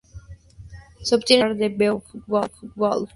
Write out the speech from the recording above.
Se obtiene al matar a Beowulf.